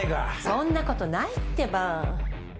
そんなことないってば。